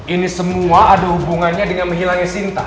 ini semua ada hubungannya dengan menghilangkan sinta